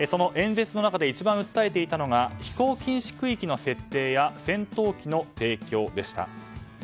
演説の中で一番訴えていたのが飛行禁止区域の設定や戦闘機の提供でした。